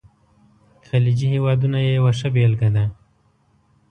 خلیجي هیوادونه یې یوه ښه بېلګه ده.